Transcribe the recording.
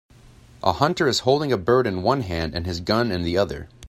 A hunter is holding a bird in one hand and his gun in the other.